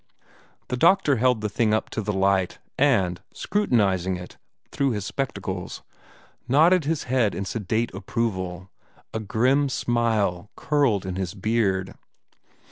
The doctor held the thing up to the light, and, scrutinizing it through his spectacles, nodded his head in sedate approval. A grim smile curled in his beard.